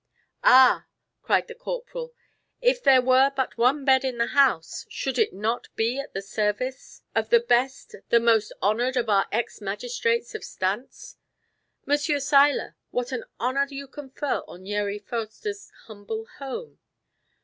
"Ah!" cried the corporal, "if there were but one bed in the house, should it not be at the service of the best, the most honored of our ex magistrates of Stantz? Monsieur Seiler, what an honor you confer on Yeri Foerster's humble home."